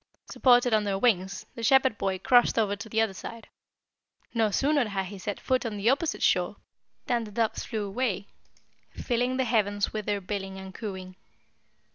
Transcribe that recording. Supported on their wings, the Shepherd boy crossed over to the other side. No sooner had he set foot on the opposite shore than the doves flew away, filling the heavens with their billing and cooing.